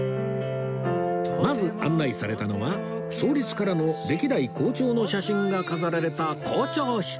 まず案内されたのは創立からの歴代校長の写真が飾られた校長室